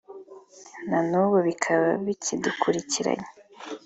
na n’ubu bikaba bikidukurikiranye